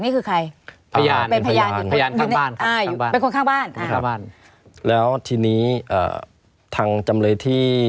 คุณสมศักดิ์นี่คือใคร